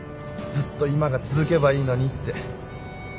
ずっと今が続けばいいのにって。